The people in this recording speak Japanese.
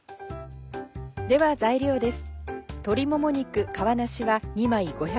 では材料です。